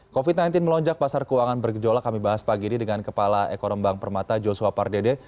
covid sembilan belas melonjak pasar keuangan bergejolak kami bahas pagi ini dengan kepala ekonomi bank permata joshua pardede